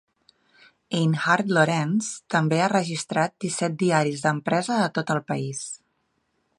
Einhart Lorenz també ha registrat disset diaris d'empresa de tot el país.